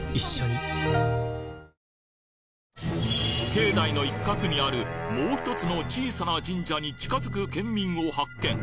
境内の一角にあるもう１つの小さな神社に近づく県民を発見！